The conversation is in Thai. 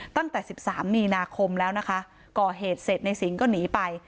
ตั้งแต่สิบสามมีนาคมแล้วนะคะก่อเหตุเสร็จในสิงห์ก็หนีไป